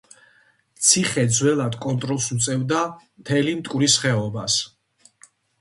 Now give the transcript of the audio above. ციხე ძველად კონტროლს უწევდა მთელი მტკვრის ხეობას.